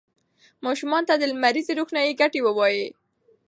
ماشومانو ته د لمریزې روښنايي ګټې ووایئ.